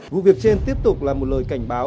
vụ việc trên tiếp tục là một lời cảnh báo